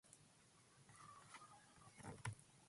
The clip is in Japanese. この世の全てはお金で決まる。